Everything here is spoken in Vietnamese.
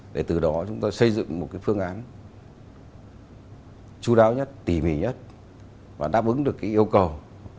để từ đó chúng tôi xây dựng một cái phương án chú đáo nhất tỉ mỉ nhất và đáp ứng được cái yêu cầu